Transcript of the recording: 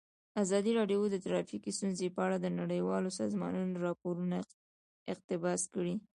ازادي راډیو د ټرافیکي ستونزې په اړه د نړیوالو سازمانونو راپورونه اقتباس کړي.